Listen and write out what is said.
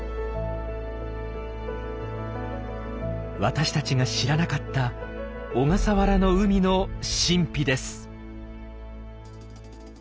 私たちが知らなかった小笠原の海の神秘です。